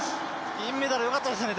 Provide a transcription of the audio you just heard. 銀メダル、よかったですね。